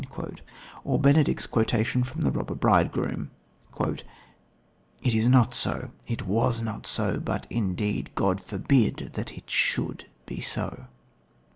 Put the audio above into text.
or Benedick's quotation from the Robber Bridegroom: "It is not so, it was not so, but, indeed, God forbid that it should be so."